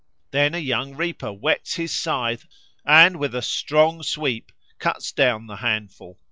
Then a young reaper whets his scythe and, with a strong sweep, cuts down the handful.